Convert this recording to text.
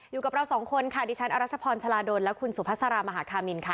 อยู่กับเราสองคนค่ะดิฉันอรัชพรชาลาดลและคุณสุภาษารามหาคามินค่ะ